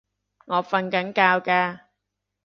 我訓緊覺㗎